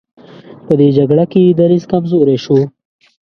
په دې جګړه کې یې دریځ کمزوری شو.